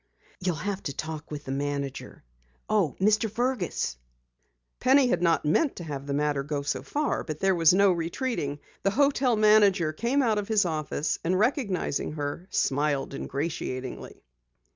"You'll have to talk with the manager. Oh, Mr. Fergus!" Penny had not meant to have the matter go so far, but there was no retreating. The hotel manager came out of his office, and recognizing her, smiled ingratiatingly.